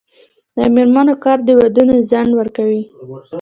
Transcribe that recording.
د میرمنو کار د ودونو ځنډ ورکوي.